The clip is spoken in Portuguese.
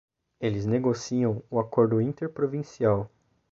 Eles negociam o Acordo Interprovincial.